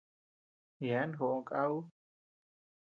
Yeabean joʼo kä ú.